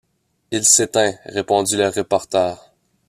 Il s’éteint, répondit le reporter.